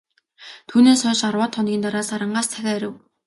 Түүнээс хойш арваад хоногийн дараа, Сарангаас захиа ирэв.